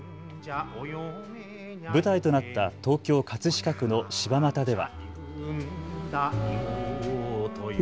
舞台となった東京葛飾区の柴又では。